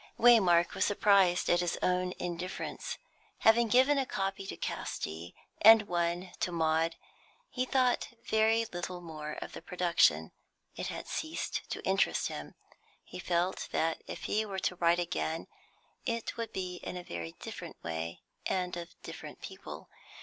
Waymark was surprised at his own indifference. Having given a copy to Casti, and one to Maud, he thought very little more of the production. It had ceased to interest him; he felt that if he were to write again it would be in a very different way and of different people.